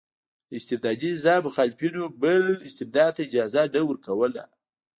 د استبدادي نظام مخالفینو بل استبداد ته اجازه نه ورکوله.